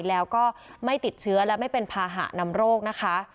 แล้วก็ไม่ติดเชื้อและไม่เป็นภาหะนำโรคนะคะ